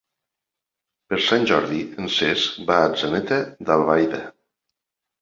Per Sant Jordi en Cesc va a Atzeneta d'Albaida.